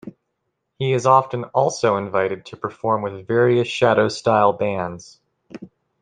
He is often also invited to perform with various Shadows-style bands.